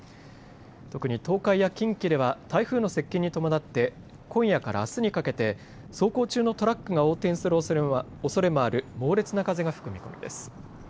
特に東海や近畿では台風の接近に伴って今夜からあすにかけて走行中のトラックが横転するおそれもある猛烈な風が吹く見込みです。